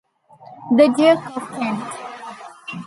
The Duke of Kent.